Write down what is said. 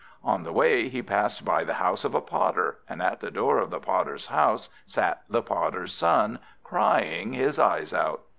On the way, he passed by the house of a Potter; and at the door of the Potter's house sat the Potter's son, crying his eyes out.